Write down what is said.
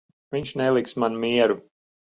Viņš neliks man mieru.